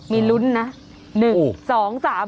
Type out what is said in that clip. มีลุ้นนะ